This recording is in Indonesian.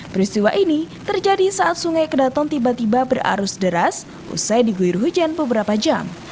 peristiwa ini terjadi saat sungai kedaton tiba tiba berarus deras usai diguir hujan beberapa jam